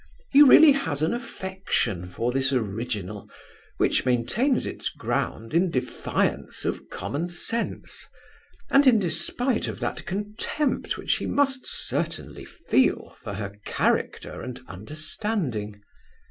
He really has an affection for this original; which maintains its ground in defiance of common sense, and in despite of that contempt which he must certainly feel for her character and understanding.